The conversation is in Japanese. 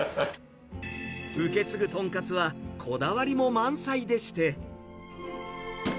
受け継ぐ豚カツは、こだわりも満載でして。